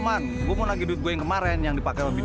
mau tuang duit gua yang kemaren hacen